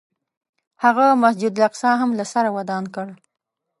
هغه مسجد الاقصی هم له سره ودان کړ.